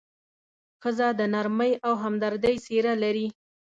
ښځه د نرمۍ او همدردۍ څېره لري.